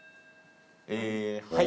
えはい。